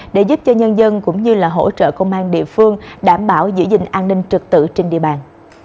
để giúp cho nhân dân cũng như là hỗ trợ công an địa phương đảm bảo giữ gìn an ninh trực tự trên địa bàn